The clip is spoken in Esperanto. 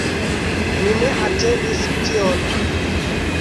Mi ne atendis tion